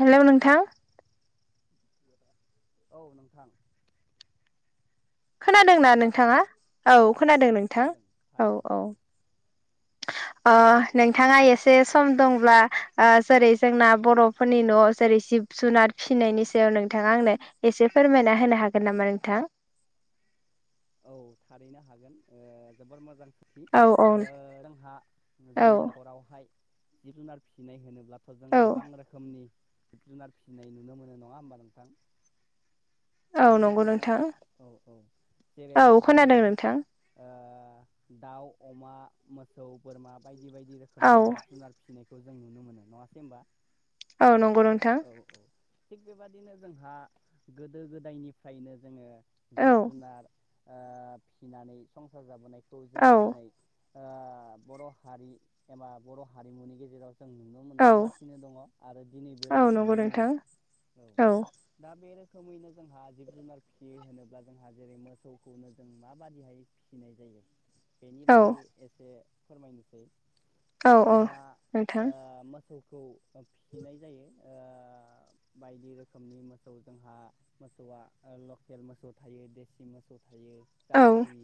हेल' नोंथां औ नोंथां खोनादों ना खोनादोंना नोंथाङा औ खोनादों नोंथां औ औ नोंथाङा एसे सम दंब्ला जेरै जोंना बर'फोरनि न' जेरै जिब जुनार फिसिनायनि सायाव नोंथाङा आंनो एसे फोरमायना होनो हागोन नामा नोंथां औ थारैनो हागोन जोबोर मोजां सोंथि औ औ जोंहा औ जोंनि न'खरावहाय जिब जुनार फिसिनाय होनोब्ला थ जों औ गोबां रोखोमनि जिब जुनार फिसिनाय नुनो मोनो नङा होमबा नोंथां औ खोनादोंना नंगौ नोंथां औ औ औ जेरैहाय जोङो खोनादों नोंथां दाउ अमा मोसौ बोरमा बायदि बायदि औ रोखोमनि जिब जुनार फिनायखौ जों नुनो मोनो नङासै होनबा औ नंगौ नोंथां औ औ थिग बेबादिनो जोंहा गोदो गोदायनिफ्रायनो जोङो जिब औ जुनार फिनानै संसार जाबोनायखौ जों औ दिनै बर' हारि एबा बर' हारिमुनि गेजेराव जों नुनो नुनो औ मोनबोगासिनो दङ आरो दिनैबो औ जों नंगौ नुनो नोंथां मोनो औ दा बे रोखोमैनो जोंहा जिब जुनार फिसियो होनोब्ला जोंहा जेरै मोसौखौनो जों माबादिहाय फिनाय जायो बेनि औ बागै एसे फोरमायनोसै औ औ जोंहा नोंथां मोसौखौ फिसिनाय जायो बायदि रोखोमनि मोसौ जोंहा मोसौआ ओ लकेल मोसौ थायो देसि मोसौ थायो औ जारसि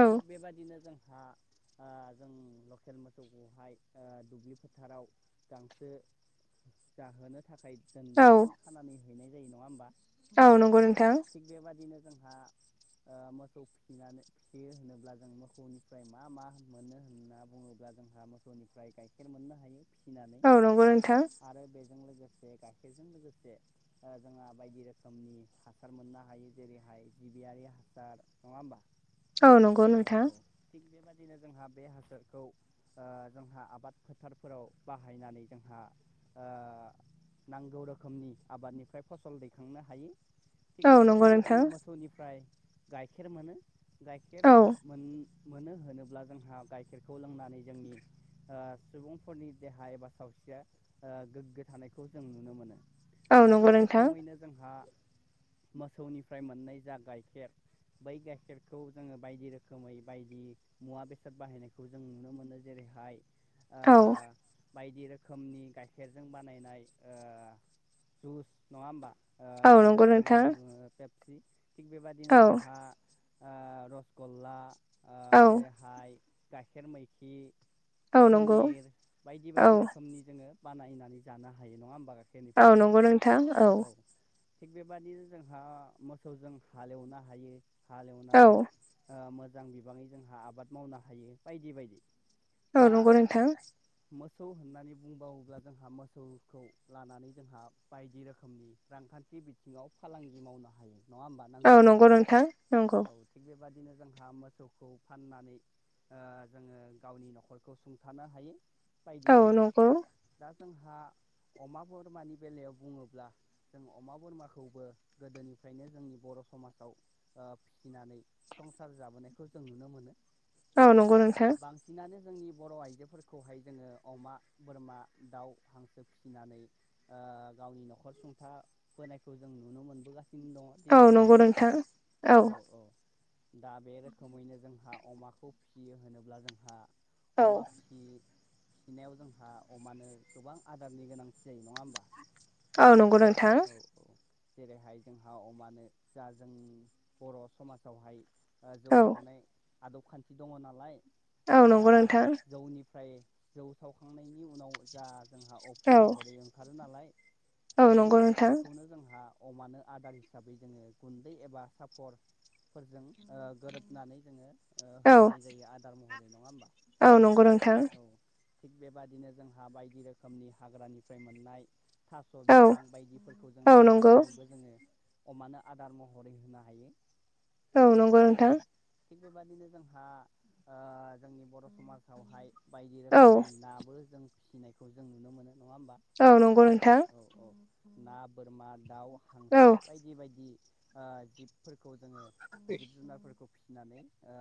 औ थिग बेबायदिनो जोंहा आं जों लकेल मोसौखौहाय आ दुब्लि फोथाराव गांसो जाहोनो थाखाय औ दोनदालजों खानानै हैनाय जायो नङा होमबा? औ नंगौ नोंथां। थिग बेबाददिनो जोंहा ओ मोसौ फिसिनानै खि होनोब्ला जों मोसौनिफ्राय मा मा मोनो होनना बुङोब्ला जोंहा मोसौनिफ्राय गाय खेर मोननो हायो फिसिनानै औ नंगौ नोंथां आरो बेजों लोगोसे गाइखेरजों लोगोसे ओ जोंहा बायदि रोखोमनि हासार मोननो हायो जेरैहाय जिबियारि हासार नङा होमबा? ओ नंग औ औ थिग बेबादिनो जोंहा बे हासारखौ ओ जोंहा आबाद फोथारफोराव बाहायनानै जोंहा ओ नांगौ रोखोमनि आबादनिफ्राय फसल दैखांनो हायो। थिग औ नंगौ बेबदिनो जों नोंथां मोसौनिफ्राय गाइखेर मोनो गाइखेर औ मोन मोनो होनोब्ला जोंहा गाइखेरखौ लोंनानै जोंनि ओ सुबुंफोरनि देहा एबा सावस्रिया ओ गोग्गो थानायखौ जों नुनो मोनो। औ दा नंगौ बे नोंथां रोखोमैनो जोंहा मोसौनिफ्राय मोननाय जा गाइखेर बै गाइखेर खेरखौ जोङो बायदि रोखोमै बायदि मुवा बेसाद बाहायनायखौ जों नुनो मोनो जेरैहाय ओ औ बायदि रोखोमनि गाइखेरजों बानायनाय ओ जुस नङा होमबा? ओ औ नंगौ जायखौ नोंथां जोङो पेपसि थिग बेबादिनो औ जोंहा आ रसगल्ला ओ औ जेरैहाय गाइखेर मैखि औ नंगौ पनिर बायदि औ बायदि रोखोमनि जोङो बानायनानै जानो हायो नङा होमबा गाय औ खेरनिफ्राय नंगौ नोंथां औ थिग बेबाददिनो जोंहा मोसौजों हालेवनो हायो औ हालेवनानै आं मोजां बिबाङै जोंहा आबाद मावनो हायो बायदि बायदि। औ दा नंगौ नोंथां। मोसौ होननानै बुंबावोब्ला जोंहा मोसौखौ लानानै जोंहा बायदि रोखोमनि रांखान्थि बिथिङाव फालांगि मावनो हायो नङा होमबा औ नांगौ नंगौ बिबांनि। नोंथां नंगौ औ थिग बेबादिनो जोंहा मोसौखौ फाननानै ओ जोङो गावनि न'खर खौ सुंथानो हायो बायदि औ बायदि। नंगौ दा जोंहा अमा बरमानि बेलायाव बुङोब्ला जों अमा बोरमाखौबो गोदोनिफ्रायनो जोंनि बर' समाजाव ओ फिसिनानै संसार जाबोनायखौ जों नुनो मोनो। औ नंगौ नोंथां। बांसिनानो जोंनि बर' आइजोफोरखौहाय जोङो अमा बोरमा दाउ हांसो फिसिनानै ओ गावनि न'खर सुंथा बोनायखौ जों नुनो मोनबोगासिनो दङ। औ नंगौ दिनैसिमबो नोंथां औ औ दा बे रोखोमैनो जोंहा अमाखौ फिसियो होनोब्ला जोंहा औ अमा फि-फिसिनायाव जोंहा अमानो गोबां आदारनि गोनांथि जायो नङा होमबा? औ नंगौ नों औ औ जेरैहाय जोंहा अमानो जा जों बर' समाजावहाय ओ जौ औ सावनाय आदब खान्थि दङ' नालाय औ जा नंगौ नोंथां जौनिफ्राय जौ सावखांनायनि उनाव जा जोंहा औ अफ्रि महरै ओंखारो नालाय औ बै नंगौ नोंथां अफ्रिखौनो जोंहा अमानो आदार हिसाबै जोङो गुन्दै एबा साफर फोरजों ओ गोरोबनानै जोङो ओ औ होनाय जायो आदार महरै नङा होमबा? औ नंगौ नोंथां। औ थिग बेबादिनो जोंहा बायदि रोखोमनि हाग्रानिफ्राय मोननाय थास' बिफां औ बायदिफोरखौ जोङो औ नंगौ हानानैबो जोङो अमानो आदार महरै होनो हायो। औ नंगौ औ नोंथां। थिग बेबादिनो जोंहा ओ जोंनि बर' समाजावहाय बायदि औ रोखोमनि नाबो जों फिसिनायखौ जों नुनो मोनो नङा होमबा औ नंगौ नोंथां। औ औ ना बोरमा दाउ औ हांसो बायदि बायदि ओ जिब फोरखौ जोङो जिब जुनारफोरखौ फिसिनानै ओ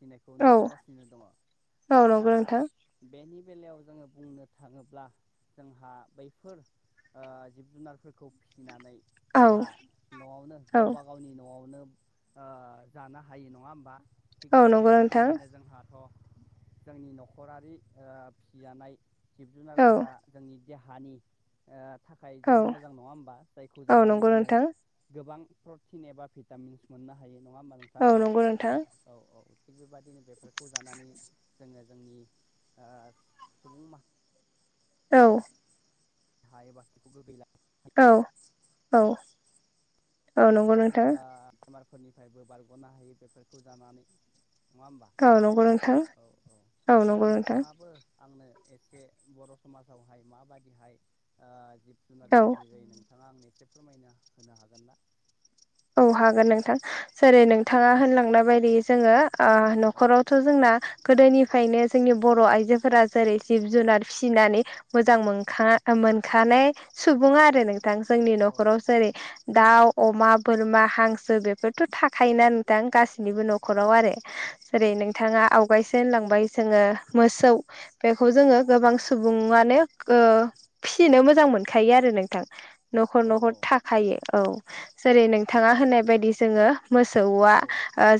फिनायखौ औ नुबोगासिनो दङ'। औ दा नंगौ नोंथां बेनि बेलायाव जोङो बुंनो थाङोब्ला जोंहा बैफोर ओ जिब जुनारफोरखौ फिसिनानै औ जोंहा न'आवनो औ गावबा गावनि न'आवनो ओ जानो हायो नङा होमबा थिग औ नंगौ बे नोंथां रोखोमैनो जोंहाथ' जोंनि न'खरारि ओ फिसिजानाय जिब औ जुनारफोरा जोंनि देहानि थाखाय औ जोबोर मोजां नङा होमबा जायखौ औ जानानै नंगौ जोङो नोंथां गोबां प्रटिन एबा भिटामिन्स मोननो हायो नङा होमबा नों औ नंगौ नोंथां। औ औ थिग बेबायदिनो बेफोरखौ जानानै जोङो जोंनि सुबुं माहारि औ। हाय बाखि गै औ औ। औ नंगौ नोंथां बेमारफोरनिफ्रायबो बारग'नो हायो बेफोरखौ जानानै नङा होमबा नंगौ नोंथां औ औ औ दा नंगौ नोंथां नोंथाङाबो आंनो एसे बर' समाजावहाय माबादिहाय ओ जिब जुनार औ फिसिनाय जायो नोंथाङा आंनो एसे फोरमायनो होनो हागोनना औ हागोन नोंथां जेरै औ नोंथाङा होनलांनाय बायदि जोङो ओ औ न'खरावथ' जोंना गोदोनिफ्रायनो जोंनि बर' आइजोफोरा जेरै जिब जुनार फिसिनानै मोजां मोनखा-मोनखानाय सुबुङा आरो नोंथां जोंनि औ न'खराव जेरै दाउ अमा बोरमा हांसो बेफोरथ' थाख खायोना नोंथां गासैनिबो न'खराव आरो औ जेरै नोंथाङा आवगायसे होनलांबाय जोङो मोसौ बेखौ जोङो गोबां सुबुङानो फिसिनो मोजां मोन खायो औ आरो नोंथां न'खर न'खर औ थाखायो औ जेरै नोंथाङा होननाय बायदि जोङो मोसौआ औ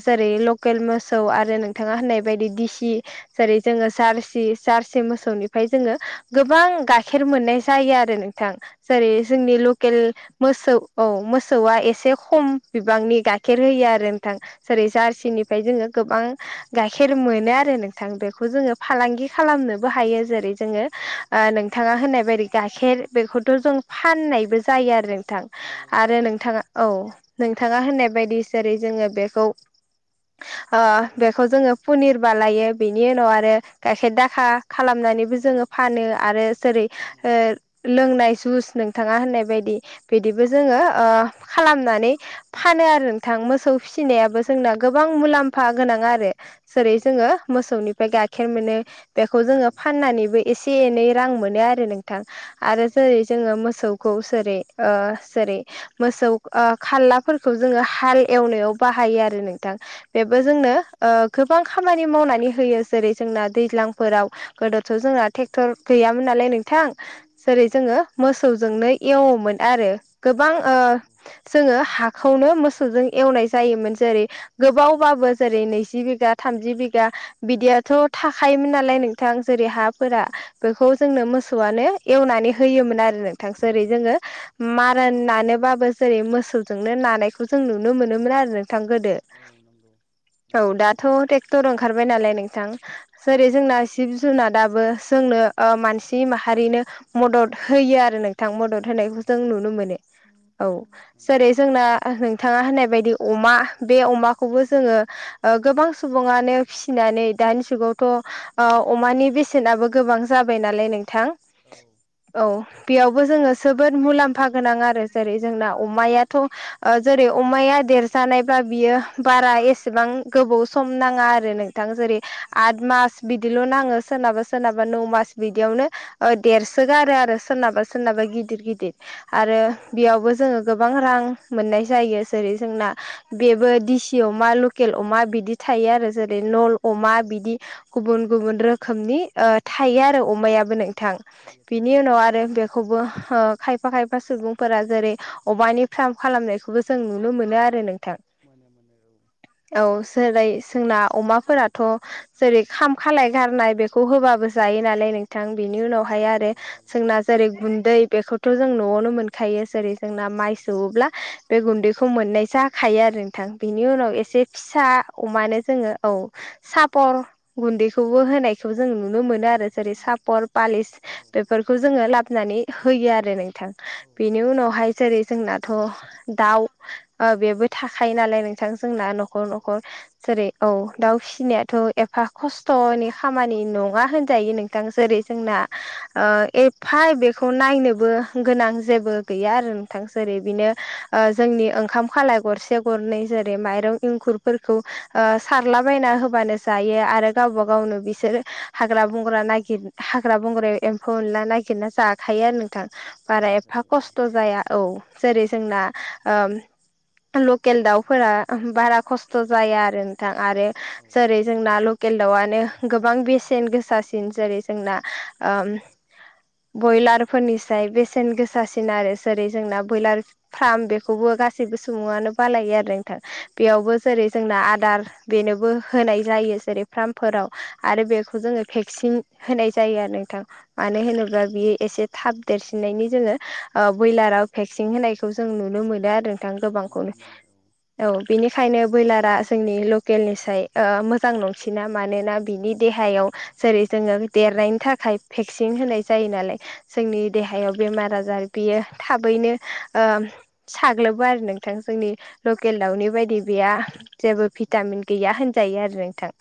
जेरै लकेल मोसौ आरो बिथाङा होननाय औ बायदि दिडसि जेरै जोङो जारसि सारसि मोसौनिफ्राय जोङो गोबां औ गाइखेर मोननाय जायो आरो नोंथां जेरै जायो जायो जोंनि औ लकेल मोसौ औ मोसौआ एसे खम बिबांनि गाइखेर होयो आरो नोंथां जेरै औ जारसिनिफ्राय जोङो गोबां गाइखेर मोनो आरो नों बिथां बेखौ जोङो औ फालांगि औ खालामनोबो हायो जेरै जोङो हायो नोंथाङा होननाय बायदि गाइखेर बेखौथ' जों फाननायबो जायो आरो नोंथां जायो आरो नों जायो औ नोंथाङा होननाय बायदि जेरै जोङो बेखौ बेखौ जोङो पनिर बालायो बेनि उनाव आरो गाइखेर दाखा खालामनानै बो औ जोङो फानो आरो जेरै खामो ओ औ लोंनाय जुस नोंथाङा होननाय बायदि बिदिबो जोङो ओ खालामनानै फानो आरो नोंथां मोसौ औ फिसिनायाबो नंगौ जोंना गोबां मुलाम्फा गोनां आरो जेरै औ जोङो मोसौनिफ्राय गाइखेर मोनो बेखौ जोङो मोनो फाननानैबो एसे एनै रां मोनो आरो नोंथां आरो औ जेरै जोङो मोसौ औ बोसोरै ओ जेरै मोसौ खारलाफोरखौ जोङो हाल एवनायाव बाहायो आरो नोंथां। बेबो नंगौ जोंनो ओ गोबां खामानि मावनानै होयो जेरै जोंना दैज्लांफोराव गोदोथ जोंना ट्रेक्टर गैयामोन नालाय नोंथां औ जेरै जोङो मोसौजोंनो एवोमोन आरो गोबां ओ औ नंगौ। जोङो हाखौनो मोसौजों एवनाय जायोमोन जेरै जायो गोबावबाबो जेरै नैजि बिघा थामजि बिगा बिदियाथ' थाखायोमोन नालाय नों थां जेरै हाफोरा बेखौ जोंनो औ मोस सौवानो एवनानै होयोमोन आरो नोंथां जेरै जोङो मारा नानो बाबो जेरै मोसौजोंनो नानायखौ जों नुनो मोनोमोन आरो नों थां गोदो औ नंगौ औ नंगौ दाथ नंगौ दे टर ओंखारबाय नालाय नोंथां औ जेरै जोंना जिब जुनादाबो जोंनो ओ मानसि माहारिनो मदद होयो आरो नों थां मदद होयो होनायखौ जों होयो नुनो होयो मोनो। औ नंगौ जेरै जोंना नोंथाङा होननाय बायदि अमा बे अमाखौबो जोङो गोबां सुबुङानो फिसिनानै दानि जुगावथ अमानि बेसेनाबो गोबां जाबाय नालाय नोंथां औ औ बेयावबो जोङो जोबोद मुलाम्फा गोनां आरो जेरै जोंना अमा मायाथ जेरै अमाया देरजानायब्ला बियो बारा एसेबां गोबाव सम नाङा आरो नोंथां जेरै नंगौ आठ मास बिदिल' नाङो सोरनाबा सोरनाबा नौ मास बिदियावनो ओ देरसोगारो आरो सोरनाबा सोरनाबा गिदिर गिदिर। आरो औ बेयावबो जोङो गोबां रां मोननाय जायो जेरै जोंना जायो बेबो दिसि अमा लकेल अमा बिदि थायो आरो जेरै नल अमा औ बिदि गुबुन गुबुन रोखोमनि थायो आरो अमायाबो नोंथां थायो बिनि थायो उनाव आरो बे खौबो हो खायफा खायफा सुबुं फोरा जेरै अबानि फार्म खालामनायखौबो जों नुनो मोनो आरो नोंथां। मानो मानो औ औ सोरै जोंना अमाफोराथ‌ जेरै खाम खालाय गारनाय बेखौ होबाबो जायो नालाय नोंथां बिनि उनाव फाय आरो जायो जायो जोंना जेरै गुन्दै बेखौथ' जों न'आवनो मोनखायो जेरै जोंना औ माइ सौब्ला बे गुन्दैखौ मोननाय जाखायो आरो नोंथां बेनि उनाव जायो औ एसे फि सा अमानो जोङो औ सापर गुन्दैखौबो होनायखौबो जों नु नुनो मोनो आरो जेरै सापर पालिस औ बेफोरखौ जोङो लाबोनानै होयो आरो नोंथां। औ औ ओ बेनि उनावहाय जेरै जोंनाथ' दाउ बेबो थाखायो नालाय नों थां जोंना न'खर न'खर जेरै औ दाउ फिसिनायाथ' एफा खस्थ'नि खामानि नङा होनजायो नोंथां जेरै जोंना औ ओ एफाय बेखौ नायनोबो गोनां जेबो गैया आरो नोंथांसो ओरै बिनो औ ओ जोंनि ओंखाम खालाय गरसे गरनै जेरै माइरं इंखुर फोरखौ ओ औ सारला बना होबानो जायो आरो गावबा गावनो बिसोरो हाग्रा बंग्रा नागिर हाग्रा बंग्रायाव सौ एनला नागिरना जाखायो आरो नोंथां। बारा जायो एफा जायो औ। खस्थ' जाया औ जेरै जोंना ओम लकेल दाउफोरा बारा खस्थ' जाया आरो नोंथां आरो औ जेरै जोंना लकेल दाउआनो गोबां बेसेन गोसासिन जेरै जोंना ओम बयलार फोरनिसाय बेसेन गोसासिन आरो जेरै जोंना बयलार फ्राम बेखौबो गासैबो सुबुङानो बालायो आरो नोंथां बेयावबो जेरै जोंना आदार बेनोबो होनाय जायो जेरै फार्मफोराव आरो बेखौ जोङो भेक्सिन होनाय जायो आरो नोंथां मानो होनोब्ला बियो एसे थाब देरसिननायनि जोङो। ओ बयलाराव भेक्सिं होनायखौ जों नुनो मोनो आरो नोंथां मोनो गोबांखौनो। मोनो औ औ बिनिखायनो बयलारा जोंनि लकेलनिस मोजां नंसिना मानोना बिनि देहायाव। जेरै जोङो देरनायनि थाखाय भेक्सिन होनाय जायो नालाय जोंनि औ देहायाव बेमार आजार बियो थाबैनो साग्लोबो आरो नोंथां जोंनि लकेल दाउनि बायदि बेया जेबो औ भिटामिन गैया होनजायो आरो नोंथां।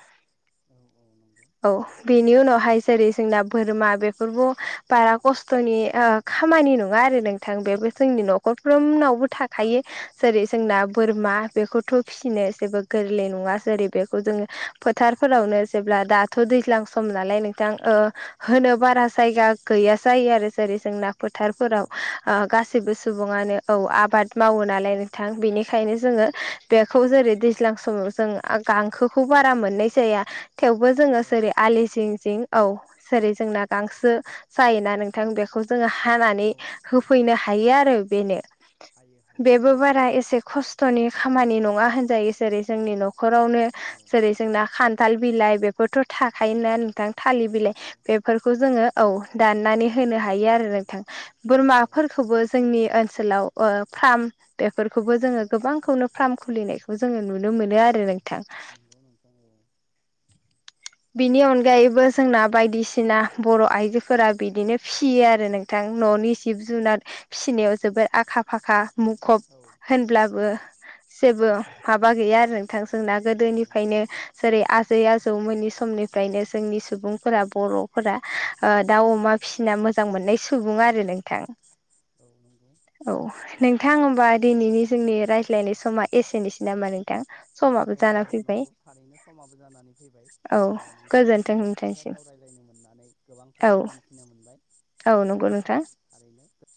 औ औ नंगौ थारैनो इनि उनावहाय जेरै जोंना बोरमा बेफोरबो बारा खस्थ'नि ओ खामानि नङा आरो नोंथां बेबो जोंनि न'खरफ्रोमनावबो थाखायो। जेरै जोंना बोरमा बेखौथ' फिसिनो जेबो गोरलै नङा जेरै बेखौ जोङो। फोथारफोरावनो जेब्ला दाथ' दैज्लां सम नालाय नोंथां ओ होनो बारा जायगा गैया जायो आरो जेरै जोंना फोथारफोराव। गासैबो सुबुङानो औ आबाद मावो नालाय नोंथां बेनिखायनो जोङो बेखौ जेरै दैज्लां समाव जों गांखोखौ बारा मोननाय जाया। थेवबो जोङो औ सै आलि जें औ जेरै जोंना गांसो जायोना नोंथां बेखौ जोङो हानानै औ होफैनो हायो आरो बेनो हायो हायो बेबो औ बारा एसे खस स्थ'नि खामानि नङा होनजायो जेरै जोंनि नंगौ न'खरावनो औ जेरै जोंना खा खनथाल बिलाइ बेफोरथ' थाखायोना नोंथां थालिर हायो बिलाइ औ बे फोरखौ जोङो औ दाननानै होनो हायो आरो नोंथां औ बोरमाफोरखौबो। जोंनि ओनसोलाव ओ फ्राम बेफोरखौबो जोङो गोबांखौनो फार्म खुलिनायखौ जोङो नुनो मोनो आरो नोंथां। नोंगौ नोंथां। [inaudible] बिनि अनगायैबो जोंना बायदिसिना बर' आइजोफोरा बिदिनो फिसियो आरो नों बिथां न'नि जिब जुनार फिसिनायाव जोबोद आखा फाखा मुखुब औ होनब्लाबो जेबो माबा गैया आरो नोंथां जोंना नंगौ गोदोनिफ्रायनो। जेरै आजै आजौमोनैनि समनिफ्रायनो जोंनि सुबुंफोरा बर'फोरा। ओ दाउ अमा फिसिना मोजां मोननाय सुबुं आरो नोंथां। औ नंगौ। औ नोंथां होमबा दिनैनि जोंनि रायज्लायनाय समा एसेनोसै नामा नों औ-औ नंगौ थारैनो समाबो जानानै फैबाय औ नोंथांजों गोजोन्थों गोबां खोथा नोंथांसिम सावरायलायनो मोननानै गोबां औ खोथा मोनथिनो मोनबाय औ नंगौ नोंथां। थारैनो